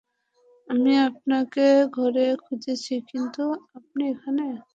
আমি আপনাকে ঘরে খুঁজেছি, কিন্তু আপনি এখানে।